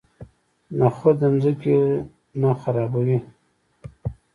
نخود ځمکه نه خرابوي.